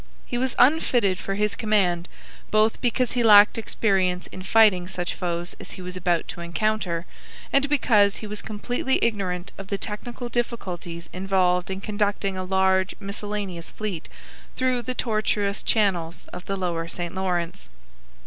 He was unfitted for his command, both because he lacked experience in fighting such foes as he was about to encounter, and because he was completely ignorant of the technical difficulties involved in conducting a large, miscellaneous fleet through the tortuous channels of the lower St Lawrence.